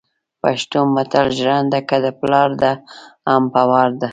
پښتو متل ژرنده که دپلار ده هم په وار ده